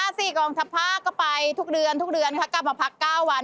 เรื่องของทะพาก็ไปทุกเดือนทุกเดือนค่ะกลับมาพัก๙วัน